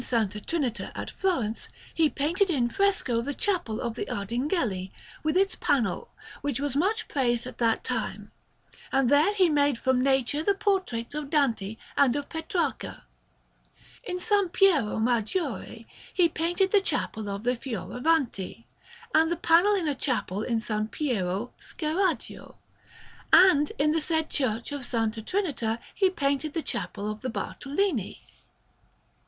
Trinita at Florence, he painted in fresco the Chapel of the Ardinghelli, with its panel, which was much praised at that time; and there he made from nature the portraits of Dante and of Petrarca. In S. Piero Maggiore he painted the Chapel of the Fioravanti, and the panel in a chapel in S. Piero Scheraggio; and in the said Church of S. Trinita he painted the Chapel of the Bartolini.